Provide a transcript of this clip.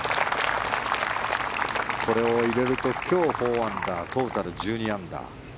これを入れると今日４アンダートータル１２アンダー。